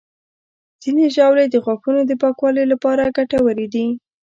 ځینې ژاولې د غاښونو د پاکوالي لپاره ګټورې دي.